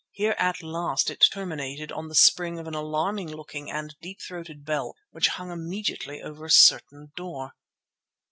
Here at last it terminated on the spring of an alarming looking and deep throated bell that hung immediately over a certain door.